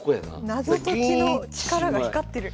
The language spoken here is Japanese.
謎解きの力が光ってる。